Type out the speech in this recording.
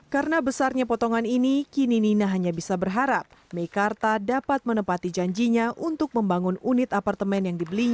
karena besarnya potongan ini kini nina hanya bisa berharap mekarta dapat menepati janjinya untuk membangun unit apartemen